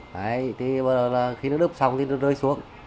đấy thì khi nó đớp xong thì nó rơi xuống